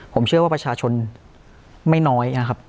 ผมเชื่อว่าประชาชนไม่น้อยนะครับ